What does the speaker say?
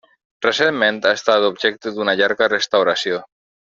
Recentment ha estat objecte d'una llarga restauració.